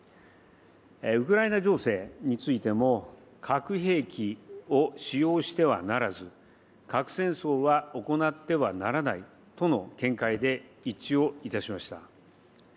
ウクライナ情勢についても、核兵器を使用してはならず、核戦争は行ってはならないとの見解で一致をいたしました。